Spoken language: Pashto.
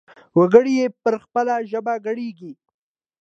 وګړي يې پر خپلې ژبې ګړيږي.